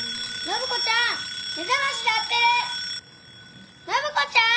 暢子ちゃん！